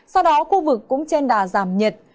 sau đó khu vực cũng trên đà giảm nhiệt